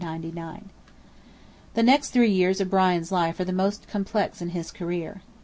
The next three years of Brian's life are the most complex in his career.